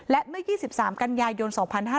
และเมื่อ๒๓กันยายน๒๕๕๙